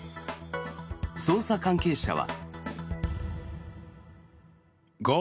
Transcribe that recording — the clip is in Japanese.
捜査関係者は。